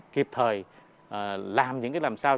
kịp thời làm những cái làm sao